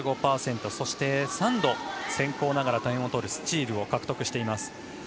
そして３度先攻ながら点を取るスチールを獲得しています。